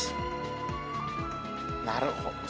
なるほどね。